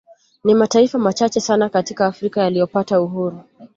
Ni mataifa machache sana katika Afrika yaliyopata uhuru